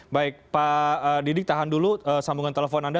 pak didi tahan dulu sambungan telepon anda